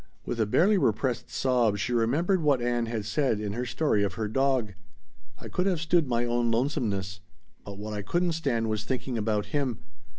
With a barely repressed sob she remembered what Ann had said in her story of her dog. "I could have stood my own lonesomeness. But what I couldn't stand was thinking about him....